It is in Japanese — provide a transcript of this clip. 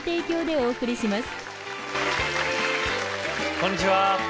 こんにちは